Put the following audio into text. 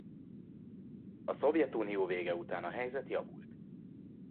A Szovjetunió vége után a helyzet javult.